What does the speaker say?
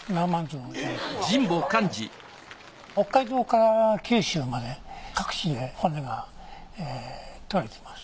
北海道から九州まで各地で骨が採れてます。